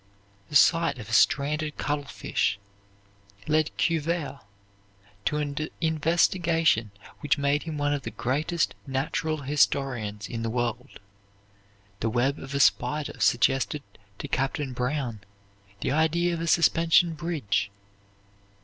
The sight of a stranded cuttlefish led Cuvier to an investigation which made him one of the greatest natural historians in the world. The web of a spider suggested to Captain Brown the idea of a suspension bridge.